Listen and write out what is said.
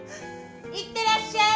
いってらっしゃい！